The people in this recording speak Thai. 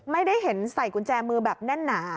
ไม่ได้เห็นใส่กุญแจมือแบบแน่นหนา